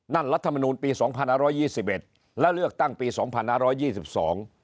รัฐมนูลปีสองพันห้าร้อยยี่สิบเอ็ดแล้วเลือกตั้งปีสองพันห้าร้อยยี่สิบสอง